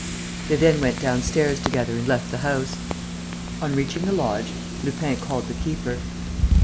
They then went downstairs together and left the house. On reaching the lodge, Lupin called the keeper.